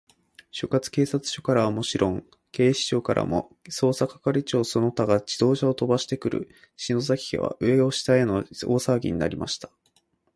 所轄警察署からはもちろん、警視庁からも、捜査係長その他が自動車をとばしてくる、篠崎家は、上を下への大さわぎになりました。